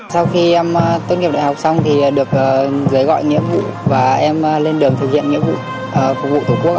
sau khi em tốt nghiệp đại học xong thì được dưới gọi nhiệm vụ và em lên đường thực hiện nhiệm vụ phục vụ tổ quốc